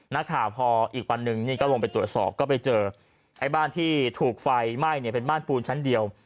นักข่าวพออีกวันนึงก็ลงไปตรวจสอบไอ้บ้านที่ถูกไฟไหม้เป็นบ้านภูมิชั้นเดียว